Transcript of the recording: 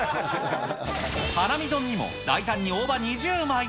ハラミ丼にも大胆に大葉２０枚。